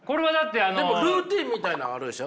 でもルーティーンみたいなんはあるでしょ？